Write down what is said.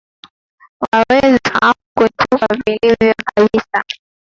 waweza kutupata vilivyo kabisa